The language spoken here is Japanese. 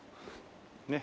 ねえ。